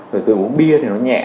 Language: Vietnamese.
rồi tôi uống bia thì nó nhẹ